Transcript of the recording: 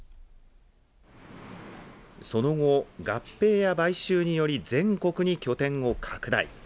その後、合併や買収により全国に拠点を拡大。